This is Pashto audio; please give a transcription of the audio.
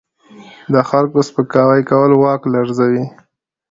د خلکو سپکاوی کول واک لرزوي.